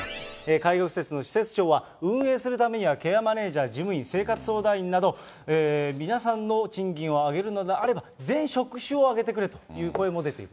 介護施設の施設長は、運営するためには、ケアマネジャー、事務員、生活相談員など、皆さんの賃金を上げるのであれば、全職種を上げてくれという声も出ている。